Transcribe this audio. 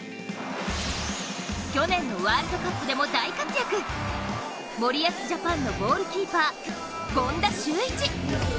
去年のワールドカップでも大活躍、森保ジャパンのゴールキーパー権田修一。